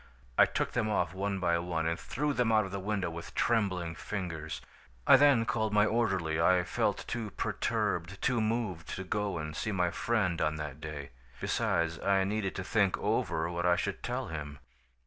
"I took them off one by one and threw them out of the window with trembling fingers. "I then called my orderly. I felt too perturbed, too moved, to go and see my friend on that day. Besides, I needed to think over what I should tell him.